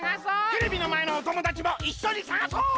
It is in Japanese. テレビのまえのおともだちもいっしょに探そう！